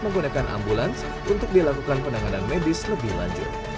menggunakan ambulans untuk dilakukan penanganan medis lebih lanjut